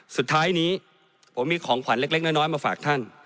สุดท้ายนี้ผมมีของขวัญเล็กน้อยมาฝากท่าน